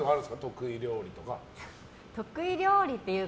得意料理とか。